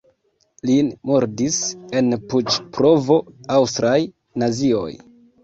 Lin murdis en puĉ-provo aŭstraj nazioj.